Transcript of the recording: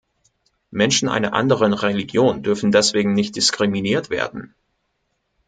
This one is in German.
Menschen einer anderen Religion dürfen deswegen nicht diskriminiert werden.